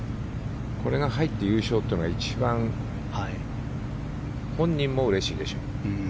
これが入って優勝というのが一番、本人もうれしいでしょう。